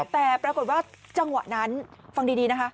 แต่ปรากฏว่าจังหวะนั้นฟังดีนะคะ